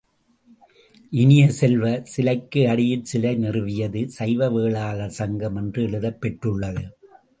இனிய செல்வ, சிலைக்கு அடியில் சிலை நிறுவியது சைவ வேளாளர் சங்கம் என்று எழுதப் பெற்றுள்ளது.